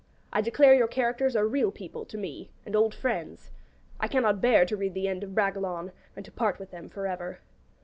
I declare your characters are real people to me and old friends. I cannot bear to read the end of 'Bragelonne,' and to part with them for ever.